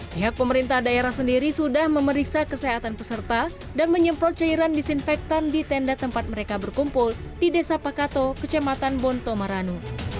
pihak pemerintah daerah sendiri sudah memeriksa kesehatan peserta dan menyemprot cairan disinfektan di tenda tempat mereka berkumpul di desa pakato kecamatan bontomaranu